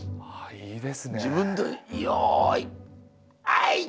いいですね。